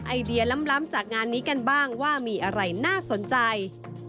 ไอเดียล้ำจากงานนี้กันบ้างว่ามีอะไรน่าสนใจ